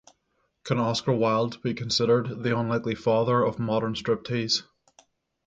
Can Oscar Wilde be considered the unlikely father of modern striptease?